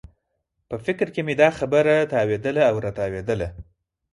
په فکر کې مې دا خبره تاوېدله او راتاوېدله.